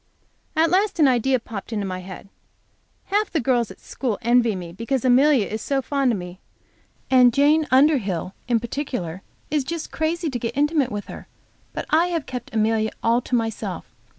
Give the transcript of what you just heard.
At last an idea popped into my head. Half the girls at school envy me because Amelia is so fond of me, and Jane Underhill, in particular, is just crazy to get intimate with her. But I have kept Amelia all to myself.